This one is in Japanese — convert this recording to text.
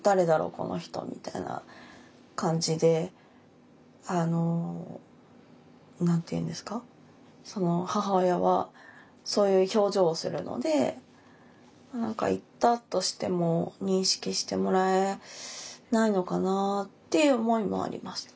この人」みたいな感じであの何て言うんですか母親はそういう表情をするので何か行ったとしても認識してもらえないのかなっていう思いもありました。